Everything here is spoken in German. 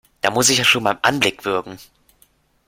Da muss ich ja schon beim Anblick würgen!